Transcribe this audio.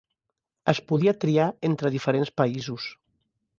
Es podia triar entre diferents països.